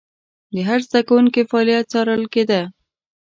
د هر زده کوونکي فعالیت څارل کېده.